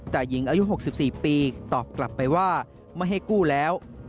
แต่หญิงอายุ๖๔ปีตอบกลับไปว่าไม่ให้กู้แล้ว